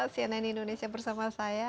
cnn indonesia bersama saya